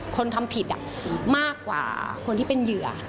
คนทำผิดมากกว่าคนที่เป็นเหยื่อ